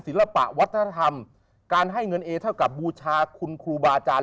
ศิลปะวัฒนธรรมการให้เงินเอเท่ากับบูชาคุณครูบาอาจารย์